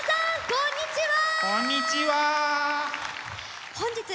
こんにちは！